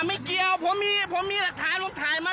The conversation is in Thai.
ไม่เกี่ยวผมมีหลักฐานลุ่มถ่ายมา